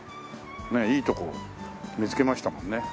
ねえいいとこ見つけましたもんね。